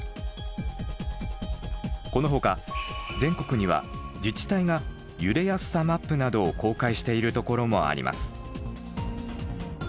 このほか全国には自治体が「揺れやすさマップ」などを公開しているところもあります。